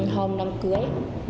hồng đám cưới